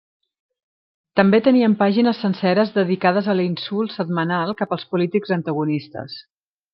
També tenien pàgines senceres dedicades a l'insult setmanal cap als polítics antagonistes.